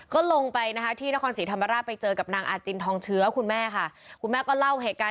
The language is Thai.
ขอไปคุยกับคุณแม่หน่อยค่ะค่ะ